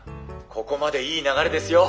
ここまでいい流れですよ。